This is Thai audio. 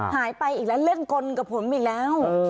หายไปอีกแล้วเล่นกลกับผมอีกแล้ว